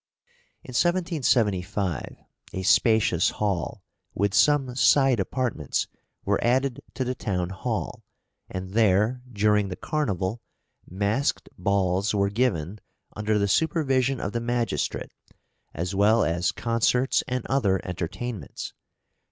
{AMUSEMENTS IN SALZBURG.} (337) In 1775 a spacious hall, with some side apartments, were added to the town hall, and there, during the carnival, masked balls were given under the supervision of the magistrate, as well as concerts and other entertainments.